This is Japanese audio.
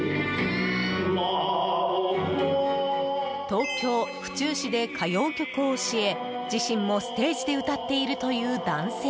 東京・府中市で歌謡曲を教え自身もステージで歌っているという男性。